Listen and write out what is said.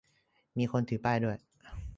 มีคนถือป้ายด้วย